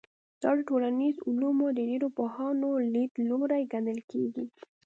دا د ټولنیزو علومو د ډېرو پوهانو لیدلوری ګڼل کېږي.